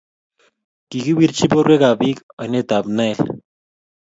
Kikiwirchi borwek ab bik oinet ab nael